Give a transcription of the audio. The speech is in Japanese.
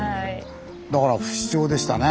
だから不死鳥でしたね。